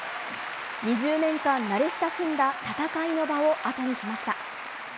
２０年間慣れ親しんだ戦いの場を後にしました。